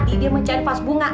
tadi dia mencari vas bunga